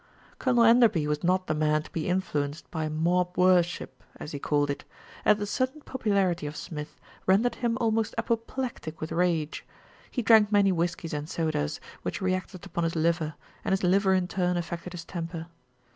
Colonel Enderby was not the man to be influenced by "mob worship," as he called it, and the sudden popu larity of Smith rendered him almost apoplectic with rage. He drank many whiskies and sodas, which re acted upon his liver, and his liver in turn affected his temper.